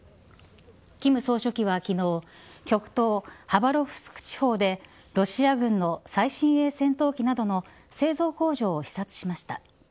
金総書記は昨日極東・ハバロフスク地方でロシア軍の最新鋭戦闘機などの製造工場を視察しました。